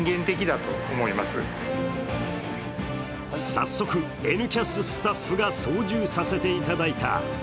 早速、「Ｎキャス」スタッフが操縦させていただいた。